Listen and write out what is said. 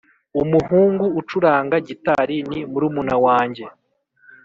umuhungu ucuranga gitari ni murumuna wanjye.